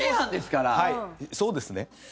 そうですね。